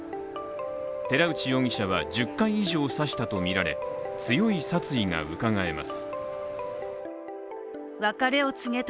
寺内容疑者は１０回以上刺したとみられ強い殺意がうかがえます。